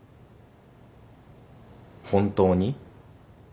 本当に？